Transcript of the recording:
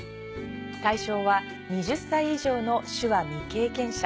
対象は２０歳以上の手話未経験者。